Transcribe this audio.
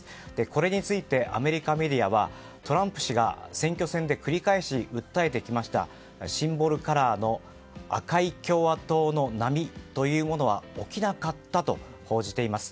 これについてアメリカメディアはトランプ氏が選挙戦で繰り返し訴えてきましたシンボルカラーの赤い共和党の波は起きなかったと報じています。